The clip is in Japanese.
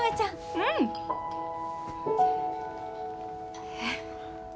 うん！えっ？